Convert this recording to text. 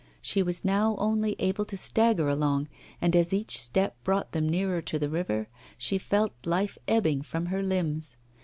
She was now only able to stagger along, and as each step brought them nearer to the river, she felt life ebbing from her limbs.